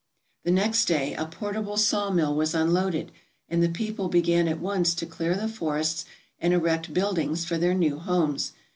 The next day a portable sawmill was unloaded, and the people began at once to clear the forests and erect buildings for their new homes.